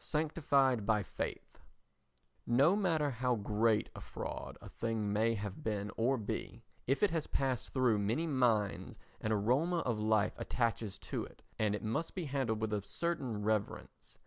Sanctified by Faith No matter how great a fraud a thing may have been or be, if it has passed through many minds an aroma of life attaches to it and it must be handled with a certain reverence.